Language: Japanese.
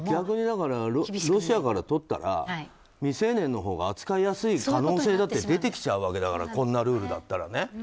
ぶっちゃけロシアからとったら未成年のほうが扱いやすい可能性だって出てきちゃうわけだからこんなルールだったら。